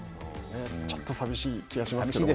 ちょっと寂しい気はしますけどね。